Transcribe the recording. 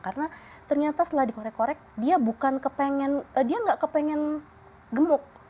karena ternyata setelah dikorek korek dia bukan kepingin dia tidak kepingin gemuk